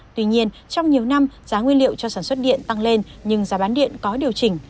tuy nhiên trong nhiều năm giá nguyên liệu cho sản xuất điện tăng lên nhưng giá bán điện có điều chỉnh